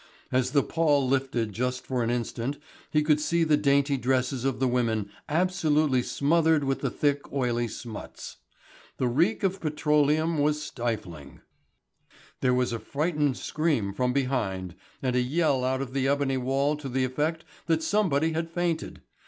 As the pall lifted just for an instant he could see the dainty dresses of the women absolutely smothered with the thick oily smuts. The reek of petroleum was stifling. There was a frightened scream from behind, and a yell out of the ebony wall to the effect that somebody had fainted.